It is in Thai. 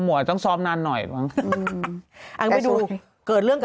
มันไม่มีช่อง๗ที่ผ่านมาก่อนกับโปรวิดอะ